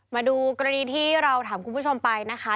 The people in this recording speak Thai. มาดูกรณีที่เราถามคุณผู้ชมไปนะคะ